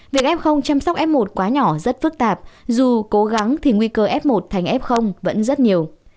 việc f không chăm sóc f một quá nhỏ rất phức tạp dù cố gắng thì nguy cơ f một thành f vẫn rất nhiều